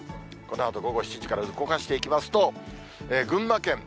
このあと午後７時から動かしていきますと、群馬県、